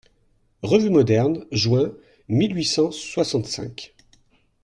REVUE MODERNE, juin mille huit cent soixante-cinq.